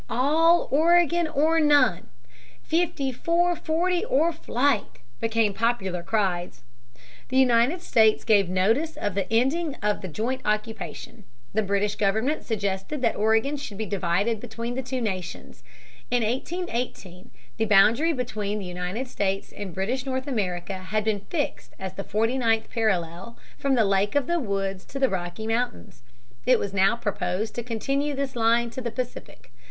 "All Oregon or none," "Fifty four forty or fight," became popular cries. The United States gave notice of the ending of the joint occupation. The British government suggested that Oregon should be divided between the two nations. In 1818 he boundary between the United States and British North America had been fixed as the forty ninth parallel from the Lake of the Woods to the Rocky Mountains. It was now proposed to continue this line to the Pacific.